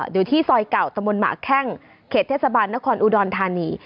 อยู่ที่ซอยเก่าตะมนต์หมาแข้งเขตเทศบาลนครอุดรธานี